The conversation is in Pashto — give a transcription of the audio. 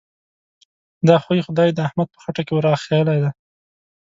دا خوی؛ خدای د احمد په خټه کې ور اخښلی دی.